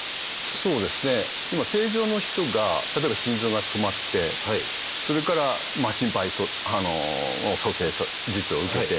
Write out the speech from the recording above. そうですね今正常の人が例えば心臓が止まってそれから心肺蘇生術を受けて。